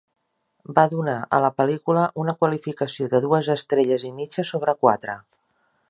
Va donar a la pel·lícula una qualificació de dues estrelles i mitja sobre quatre.